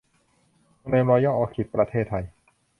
โรงแรมรอยัล ออคิด ประเทศไทย